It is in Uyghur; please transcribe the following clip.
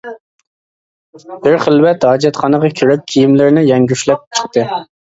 بىر خىلۋەت ھاجەتخانىغا كىرىپ كىيىملىرىنى يەڭگۈشلەپ چىقتى.